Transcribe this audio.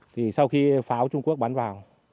thì sau khi pháo trung quốc bắn vào